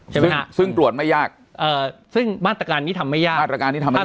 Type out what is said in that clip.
ใช่ไหมฮะซึ่งตรวจไม่ยากเอ่อซึ่งมาตรการนี้ทำไม่ยากมาตรการนี้ทำไม่ได้